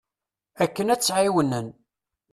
Akken ad tt-ɛiwnen.